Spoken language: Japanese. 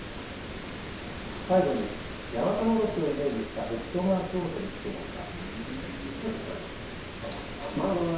最後に、八岐大蛇をイメージしたヘッドマークを取り付けました。